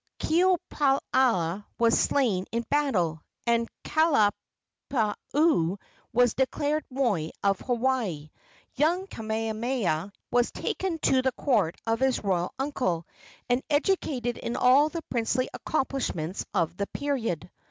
Keaweopala was slain in battle, and Kalaniopuu was declared moi of Hawaii. Young Kamehameha was taken to the court of his royal uncle, and educated in all the princely accomplishments of the period.